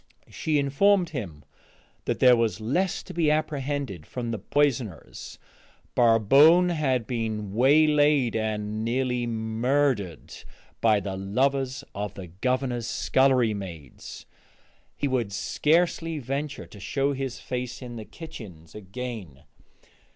She informed him that there was less to be apprehended from the poisoners. Barbone had been waylaid and nearly murdered by the lovers of the Governor's scullery maids; he would scarcely venture to show his face in the kitchens again.